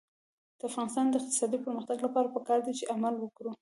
د افغانستان د اقتصادي پرمختګ لپاره پکار ده چې عمل وکړو.